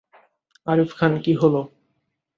আরিফ খান কী হলো?